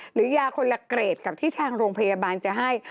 หรือยาคนละเกรดกับที่ทางโรงพยาบาลจะให้